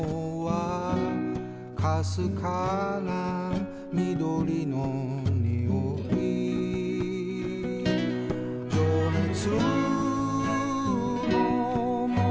「かすかな緑の匂い」「情熱のもろさなんて」